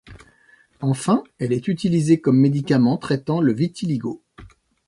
Enfin, elle est utilisée comme médicament traitant le vitiligo.